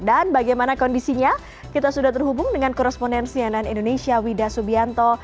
dan bagaimana kondisinya kita sudah terhubung dengan korrespondensi yanan indonesia wida subianto